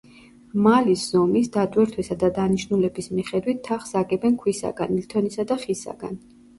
მალის ზომის, დატვირთვისა და დანიშნულების მიხედვით თაღს აგებენ ქვისაგან, ლითონისა და ხისაგან.